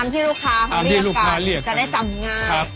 ตามที่ลูกค้าเรียกกันจะได้จำงาน